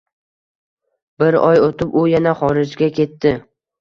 Bir oy o`tib, u yana xorijga ketdi